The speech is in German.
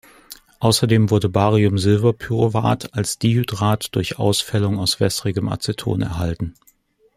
Außerdem wurde Barium-Silber-Pyruvat als Dihydrat durch Ausfällung aus wässrigem Aceton erhalten.